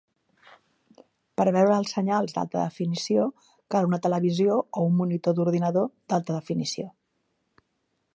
Per veure els senyals d'alta definició, cal una televisió o un monitor d'ordinador d'alta definició.